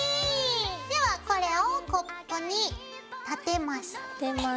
ではこれをコップに立てます。